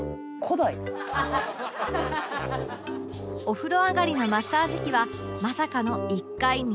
お風呂上がりのマッサージ機はまさかの